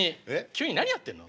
急に何やってんの？